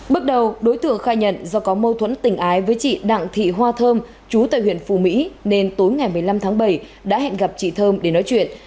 bước đầu đối tượng khai nhận do có mâu thuẫn tình ái với chị đặng thị hoa thơm chú tại huyện phù mỹ